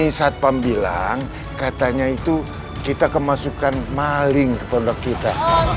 ini saat pak pamp bilang katanya itu kita kemasukan maling ke produk kita